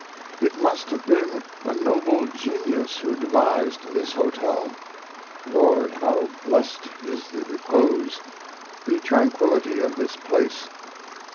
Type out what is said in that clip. It must have been a noble genius who devised this hotel. Lord, how blessed is the repose, the tranquillity of this place!